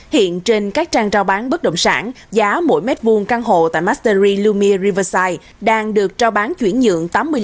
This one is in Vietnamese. hiện trên các trang trao bán bất động sản giá mỗi mét vuông căn hộ tại mastery lumiere riverside đang được trao bán chuyển nhượng tám mươi năm